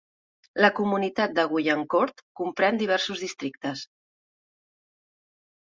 La comunitat de Guyancourt comprèn diversos districtes.